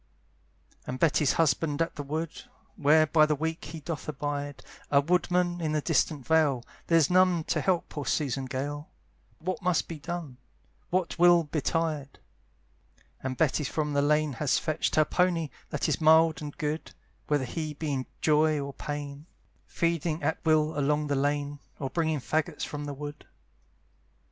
And Betty's husband's at the wood, Where by the week he doth abide, A woodman in the distant vale; There's none to help poor Susan Gale, What must be done? what will betide? And Betty from the lane has fetched Her pony, that is mild and good, Whether he be in joy or pain, Feeding at will along the lane, Or bringing faggots from the wood.